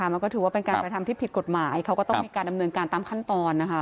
มันก็ถือว่าเป็นการกระทำที่ผิดกฎหมายเขาก็ต้องมีการดำเนินการตามขั้นตอนนะคะ